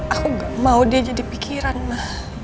aku nggak mau dia jadi pikiran ma